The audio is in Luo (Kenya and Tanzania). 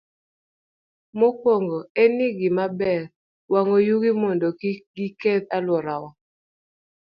Mokwongo, en gima ber wang'o yugi mondo kik giketh alworawa.